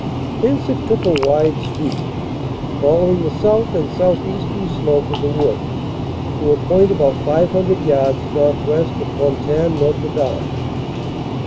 Thence it took a wide sweep, following the south and southeastern slope of the wood, to a point about 500 yards northwest of Fontaine Notre Dame.